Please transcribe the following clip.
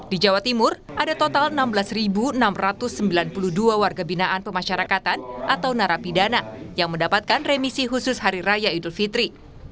di jawa timur ada total enam belas enam ratus sembilan puluh dua warga binaan pemasyarakatan atau narapidana yang mendapatkan remisi khusus hari raya idul fitri